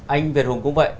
anh việt hùng cũng vậy